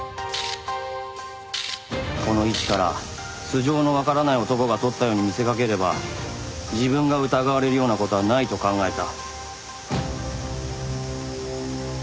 この位置から素性のわからない男が撮ったように見せかければ自分が疑われるような事はないと考えた。